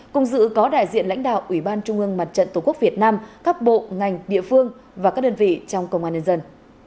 cùng dự có đại diện lãnh đạo ủy ban trung ương mặt trận tổ quốc việt nam các bộ ngành địa phương và các đơn vị trong công an nhân dân